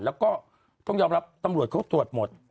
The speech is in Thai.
แล้วก็ต้องยอมรับตำรวจเขาตรวจหมด